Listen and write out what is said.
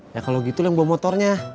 ya kalau gitu yang bawa motornya